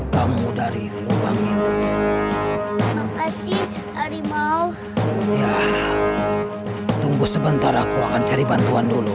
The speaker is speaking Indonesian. kamu dari lubang itu makasih arimau ya tunggu sebentar aku akan cari bantuan dulu